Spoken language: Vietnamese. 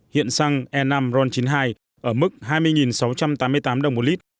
hiện xăng e năm ron chín mươi hai ở mức hai mươi sáu trăm tám mươi tám đồng một lít